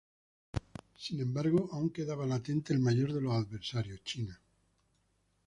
Sin embargo, aún quedaba latente el mayor de los adversarios: China.